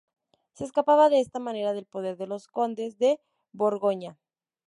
Se escapaba de esta manera del poder de los Condes de Borgoña.